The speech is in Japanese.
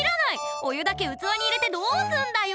お湯だけ器に入れてどうすんだよ！